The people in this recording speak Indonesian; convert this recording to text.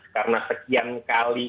karena sekian kali